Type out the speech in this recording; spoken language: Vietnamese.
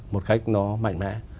một cách nó mạnh mẽ